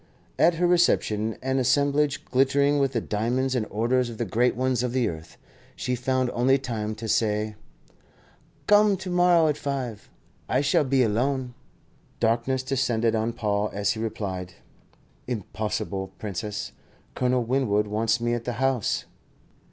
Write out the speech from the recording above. At her reception, an assemblage glittering with the diamonds and orders of the great ones of the earth, she found only time to say: "Come to morrow at five. I shall be alone." Darkness descended on Paul as he replied: "Impossible, Princess. Colonel Winwood wants me at the House."